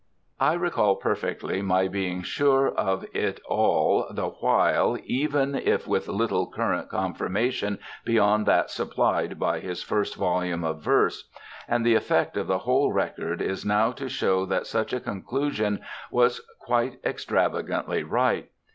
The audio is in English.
I recall perfectly my being sure of it all the while, even if with little current confirmation beyond that supplied by his first volume of verse; and the effect of the whole record is now to show that such a conclusion was quite extravagantly right.